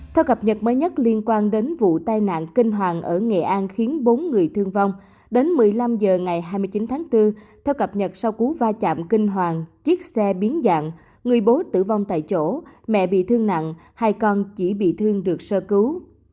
theo cập nhật mới nhất liên quan đến vụ tai nạn kinh hoàng ở nghệ an khiến bốn người thương vong đến một mươi năm h ngày hai mươi chín tháng bốn theo cập nhật sau cú va chạm kinh hoàng chiếc xe biến dạng người bố tử vong tại chỗ mẹ bị thương nặng hai con chỉ bị thương được sơ cứu